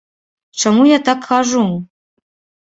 Чаму я так кажу?